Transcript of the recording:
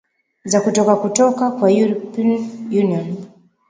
za kutoka kutoka kwa european union